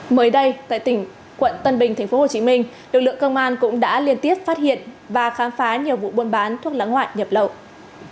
mới đây tại tỉnh bình tp hcm lực lượng công an cũng đã liên tiếp phát hiện và khám phá nhiều vụ buôn bán thuốc lá ngoại nhập lậu